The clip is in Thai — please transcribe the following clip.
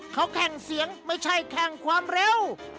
เขาแข่งเสียงไม่ใช่แข่งความเร็ว